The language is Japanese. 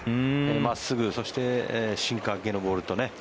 真っすぐ、そしてシンカー系のボールとね。